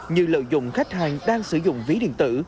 như lợi dụng khách hàng đang sử dụng ví điện tử